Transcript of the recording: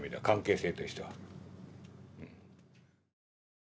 関係性としては。